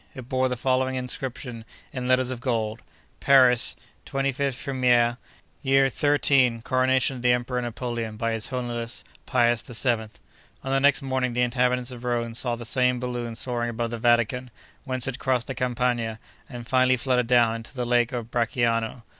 It bore the following inscription, in letters of gold: 'Paris, 25 Frimaire; year XIII; Coronation of the Emperor Napoleon by his Holiness, Pius VII.' On the next morning, the inhabitants of Rome saw the same balloon soaring above the Vatican, whence it crossed the Campagna, and finally fluttered down into the lake of Bracciano.